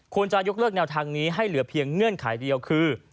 จะยกเลิกแนวทางนี้ให้เหลือเพียงเงื่อนไขเดียวคือ